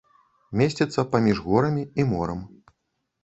Месціцца паміж горамі і морам.